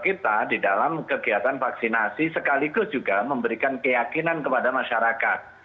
kita di dalam kegiatan vaksinasi sekaligus juga memberikan keyakinan kepada masyarakat